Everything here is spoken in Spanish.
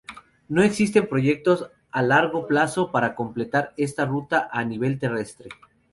No existen proyectos a largo plazo para completar esta Ruta a nivel terrestre.